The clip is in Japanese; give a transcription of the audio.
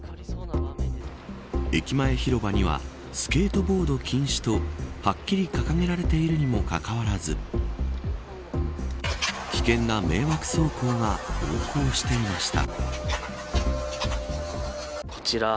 駅前広場にはスケートボード禁止とはっきり掲げられているにもかかわらず危険な迷惑走行が横行していました。